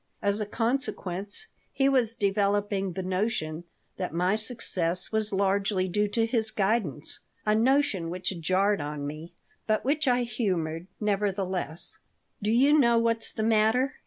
As a consequence, he was developing the notion that my success was largely due to his guidance, a notion which jarred on me, but which I humored, nevertheless "Do you know what's the matter?"